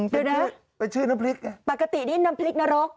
เป็นชื่อน้ำพริกไงปกตินี่น้ำพริกนรก